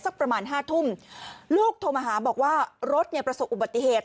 ประมาณห้าทุ่มลูกโทรมาหาบอกว่ารถเนี่ยประสบอุบัติเหตุ